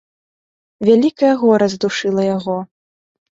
Вялікае гора здушыла яго.